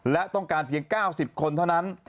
และต้องการเพียง๙๐คนเท่านั้น